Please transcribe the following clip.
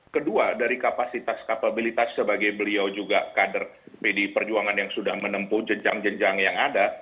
kedua dari kapasitas kapabilitas sebagai beliau juga kader pdi perjuangan yang sudah menempuh jenjang jenjang yang ada